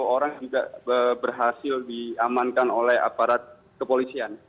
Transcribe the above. sepuluh orang juga berhasil diamankan oleh aparat kepolisian